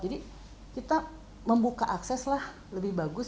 jadi kita membuka akseslah lebih bagus